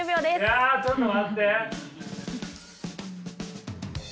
いやちょっと待って！